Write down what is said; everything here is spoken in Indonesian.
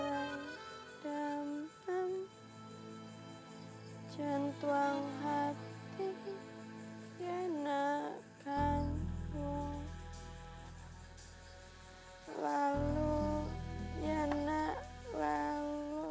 karena kalian telah tegang mabai ka'anya